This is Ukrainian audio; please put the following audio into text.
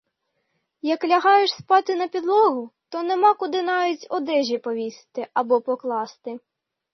Як лягаєш спати на підлогу, то нема куди навіть одежі повісити або покласти.